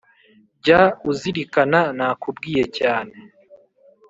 jya uzirikana nakubwiye cyane